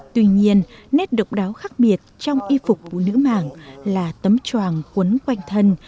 tuy nhiên nét độc đáo khác biệt trong y phục phụ nữ mảng là tấm tròng quấn quanh thân